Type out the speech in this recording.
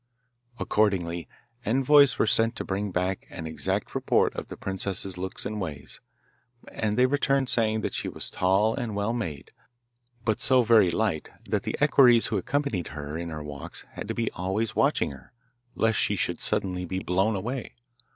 Accordingly envoys were sent to bring back an exact report of the princess's looks and ways, and they returned saying that she was tall and well made, but so very light that the equerries who accompanied her in her walks had to be always watching her, lest she should suddenly be blown away.